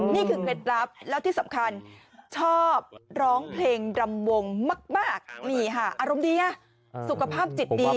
เคล็ดลับแล้วที่สำคัญชอบร้องเพลงรำวงมากนี่ค่ะอารมณ์ดีสุขภาพจิตดี